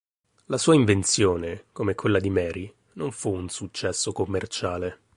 La sua invenzione, come quella di Mary, non fu un successo commerciale.